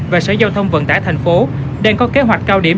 và sở giao thông vận tải tp hcm đang có kế hoạch cao điểm